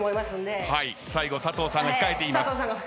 はい最後佐藤さんが控えています。